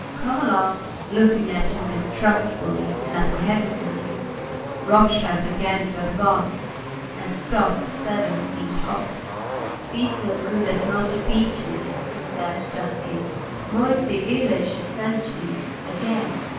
"Come along!" Looking at him mistrustfully and apprehensively, Rothschild began to advance, and stopped seven feet off. "Be so good as not to beat me," he said, ducking. "Moisey Ilyitch has sent me again.